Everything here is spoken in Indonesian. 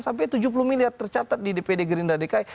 sampai tujuh puluh miliar tercatat di dpd gerindra dki